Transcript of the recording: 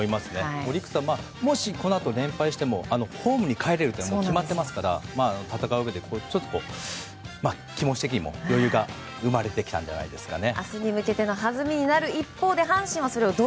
オリックスはもし連敗してもホームに帰れるって決まってますから戦ううえでちょっと気持ち的にも余裕が生まれてきたんじゃないですかね。